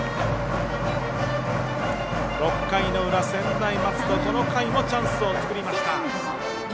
６回の裏、専大松戸この回もチャンスを作りました。